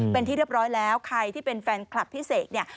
เป็นที่เรียบร้อยแล้วใครที่เป็นแฟนคลับพี่เสกเนี่ย